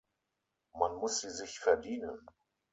Man muss sie sich verdienen.